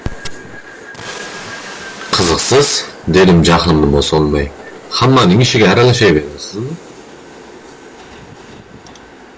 — Qiziqsiz, — dedim jahlimni bosolmay, — hammaning ishiga aralashaverasizmi?